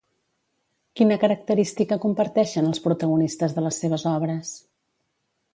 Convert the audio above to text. Quina característica comparteixen els protagonistes de les seves obres?